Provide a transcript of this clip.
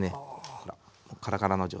ほらカラカラの状態。